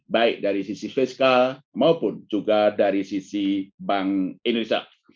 baik dari sisi fiskal maupun juga dari sisi bank indonesia